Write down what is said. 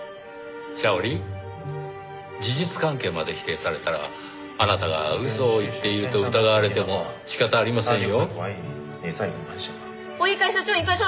シャオリー事実関係まで否定されたらあなたが嘘を言っていると疑われても仕方ありませんよ？